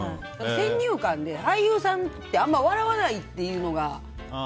先入観で、俳優さんってあんま笑わないっていうのが。